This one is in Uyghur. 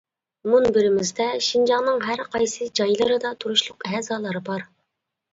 مۇنبىرىمىزدە شىنجاڭنىڭ ھەر قايسى جايلىرىدا تۇرۇشلۇق ئەزالار بار.